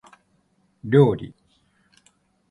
料理